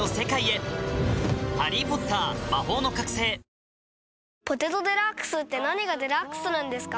さわやか男性用」「ポテトデラックス」って何がデラックスなんですか？